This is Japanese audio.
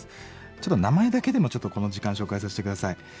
ちょっと名前だけでもちょっとこの時間紹介させて下さい。